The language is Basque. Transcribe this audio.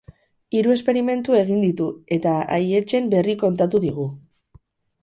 Hiru esperimentu egin ditu eta haietxen berri kontatu digu.